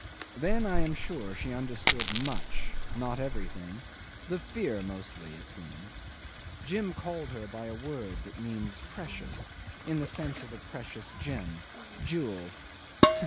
Then I am sure she understood much not everything the fear mostly, it seems. Jim called her by a word that means precious, in the sense of a precious gem jewel.